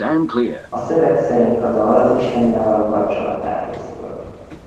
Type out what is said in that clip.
A szöveg szerint a dal az Istennel való kapcsolatáról szól.